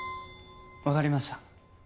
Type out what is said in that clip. わかりました。